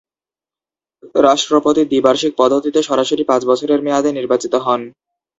রাষ্ট্রপতি দ্বি-বার্ষিক পদ্ধতিতে সরাসরি পাঁচ বছরের মেয়াদে নির্বাচিত হন।